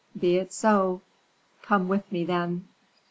Be it so. Come with me, then."